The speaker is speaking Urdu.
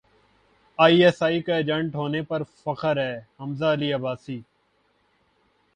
ائی ایس ائی کا ایجنٹ ہونے پر فخر ہے حمزہ علی عباسی